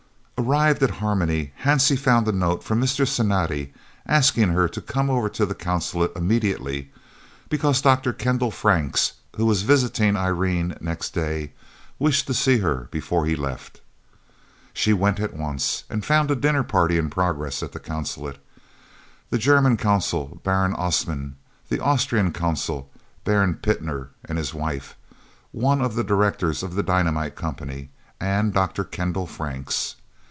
Arrived at Harmony, Hansie found a note from Mr. Cinatti asking her to come over to the Consulate immediately, because Dr. Kendal Franks, who was visiting Irene next day, wished to see her before he left. She went at once, and found a dinner party in progress at the Consulate, the German Consul, Baron Ostmann, the Austrian Consul, Baron Pitner and his wife, one of the directors of the Dynamite Company, and Dr. Kendal Franks.